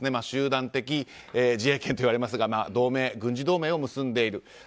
集団的自衛権といわれますが軍事同盟を結んでいる。